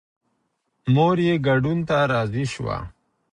مور یې ګډون ته راضي شوه.